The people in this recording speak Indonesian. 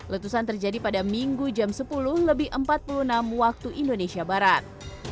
letusan terjadi pada minggu jam sepuluh lebih empat puluh enam waktu indonesia barat